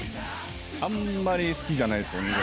あんまり好きじゃないんすよ。